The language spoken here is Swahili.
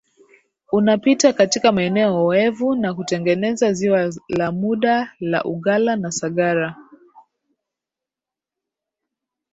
unapita katika maeneo oevu na kutengeneza Ziwa la muda la Ugala na Sagara